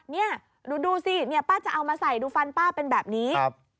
นี่หนูดูสิเนี่ยป้าจะเอามาใส่ดูฟันป้าเป็นแบบนี้